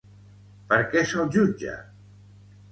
Per què se'l jutja?